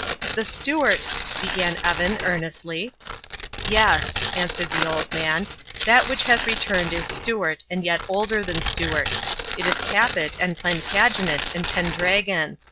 "The Stuart " began Evan, earnestly. "Yes," answered the old man, "that which has returned is Stuart and yet older than Stuart. It is Capet and Plantagenet and Pendragon.